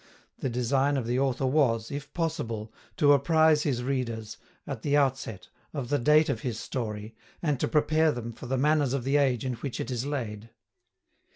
The design of the Author was, if possible, to apprize his readers, at the outset, of the date of his Story, and to prepare them for the manners of the Age in which it is laid.